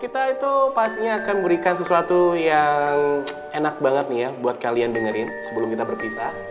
tapi dulu dia